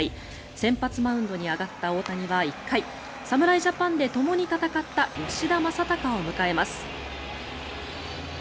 先発マウンドに上がった大谷は１回侍ジャパンでともに戦った吉田正尚を迎えます。